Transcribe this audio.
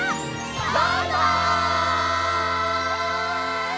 バイバイ！